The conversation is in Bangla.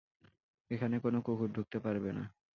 এখানে কোনও কুকুর ঢুকতে পারবে না!